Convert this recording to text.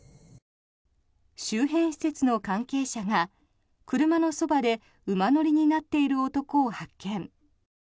周辺施設の関係者が車のそばで馬乗りになっている男を発見。